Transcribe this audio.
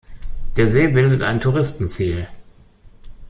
Der See bildet ein Touristenziel.